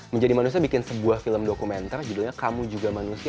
menjadi manusia bikin sebuah film dokumenter judulnya kamu juga manusia